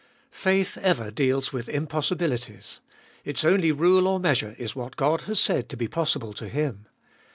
Faith ever deals with impossibilities. Its only rule or measure is what God has said to be possible to Him.